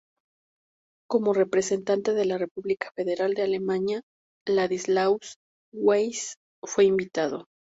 Como representante de la República Federal de Alemania, Ladislaus Weiss fue invitado.